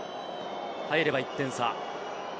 入れば１点差。